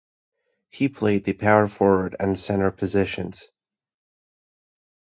He played the power forward and center positions.